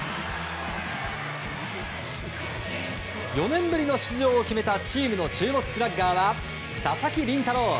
４年ぶりの出場を決めたチームの注目スラッガーは佐々木麟太郎。